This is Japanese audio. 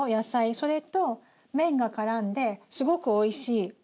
それと麺がからんですごくおいしい。